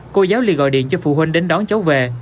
cô giáo liền gọi điện cho phụ huynh đến đón cháu về